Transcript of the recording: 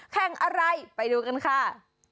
แข่งอะไรไปดูกันค่ะ